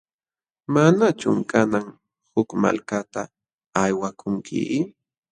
¿Manachum kanan huk malkata aywakunki?